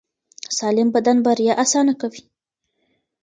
سالم بدن بریا اسانه کوي.